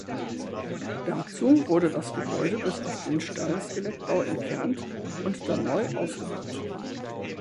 Dazu wurde das Gebäude bis auf den Stahlskelettbau entkernt und dann neu ausgebaut.